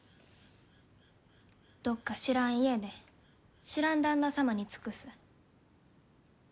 どっか知らん家で知らん旦那様に尽くす。